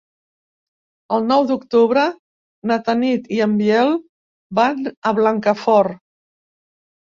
El nou d'octubre na Tanit i en Biel van a Blancafort.